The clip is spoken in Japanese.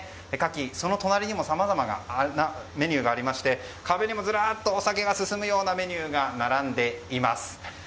その隣にもさまざまなメニューがありまして壁にもずらっとお酒が進むようなメニューが並んでいます。